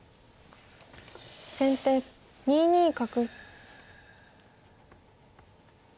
先手２二角。